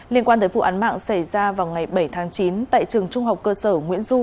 liên quan tới vụ án mạng xảy ra vào ngày bảy tháng chín tại trường trung học cơ sở nguyễn du